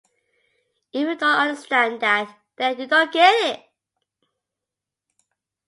If you don't understand that, then you don't get it.